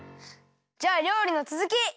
じゃありょうりのつづき！